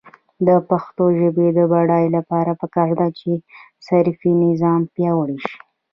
د پښتو ژبې د بډاینې لپاره پکار ده چې صرفي نظام پیاوړی شي.